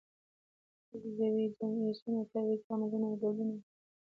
تجزیوي، جمعي، سون او تعویضي تعاملونه یې ډولونه دي.